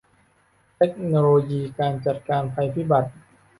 เทคโนโลยีการจัดการภัยพิบัติ